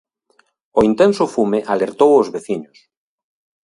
O intenso fume alertou aos veciños.